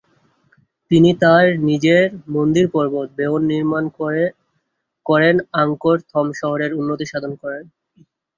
তিনি তার নিজের "মন্দির-পর্বত" বেয়ন নির্মাণ, করেন আংকোর থম শহরের উন্নতিসাধন করেন।